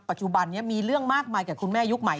ปัจจุบันนี้มีเรื่องมากมายกับคุณแม่ยุคใหม่